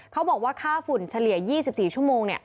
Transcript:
เขาบอกว่าค่าฝุ่นเฉลี่ย๒๔ชั่วโมง